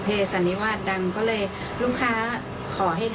เป็นชุดนางเอกค่ะ